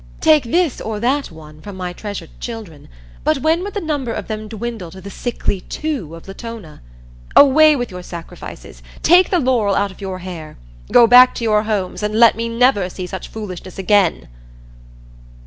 Take this or that one from my treasured children; but when would the number of them dwindle to the sickly two of Latona? Away with your sacrifices! Take the laurel out of your hair. Go back to your homes and let me never see such foolishness again!"